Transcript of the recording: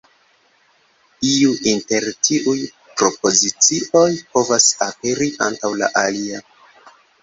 Iu inter tiuj propozicioj povas aperi antaŭ la alia.